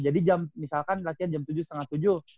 jadi jam misalkan latihan jam tujuh setengah tujuh